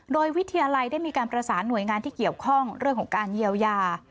โดยวิทยาลัยได้มีการประสานหน่วยงานที่เกี่ยวข้องเรื่องของการเยียวยา